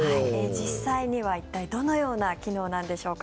実際には、一体どのような機能なんでしょうか。